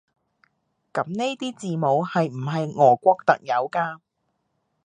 噉呢啲字母係唔係俄國特有㗎？